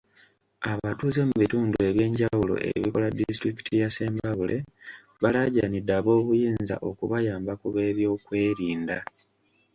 Abatuuze mu bitundu eby'enjawulo ebikola disitulikiti ya Ssembabule, balaajanidde ab'obuyinza okubayamba ku b'ebyokwerinda.